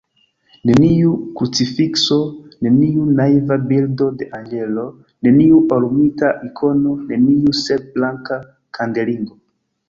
Neniu krucifikso, neniu naiva bildo de anĝelo, neniu orumita ikono, neniu sep-braka kandelingo.